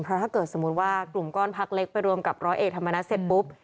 เพราะถ้าเกิดสมมุติว่ากลุ่มก้อนพักเล็กไปรวมกับร้อยเอกธรรมนัฐเสร็จปุ๊บ